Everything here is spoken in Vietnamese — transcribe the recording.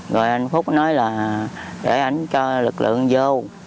rồi anh phúc nói là để ảnh cho lực lượng vô